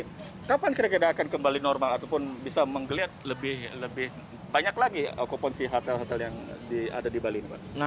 kapan kira kira akan kembali normal ataupun bisa menggeliat lebih banyak lagi okupansi hotel hotel yang ada di bali ini pak